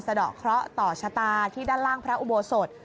ดอกเคราะห์ต่อชะตาที่ด้านล่างพระอุโบสถ